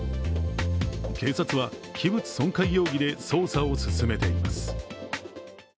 警察は器物損壊容疑で捜査を進めています。